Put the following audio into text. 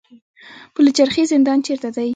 پل چرخي زندان چیرته دی؟